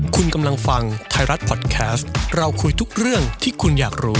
คุณกำลังฟังไทยรัฐพอดแคสต์เราคุยทุกเรื่องที่คุณอยากรู้